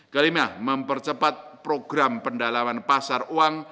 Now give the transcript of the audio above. kelima mempercepat program pendalaman pasar uang